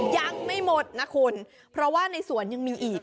ยังไม่หมดนะคุณเพราะว่าในสวนยังมีอีก